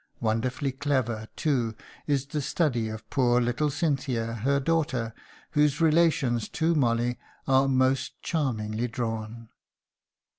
Wonderfully clever, too, is the study of poor little Cynthia, her daughter, whose relations to Molly are most charmingly drawn.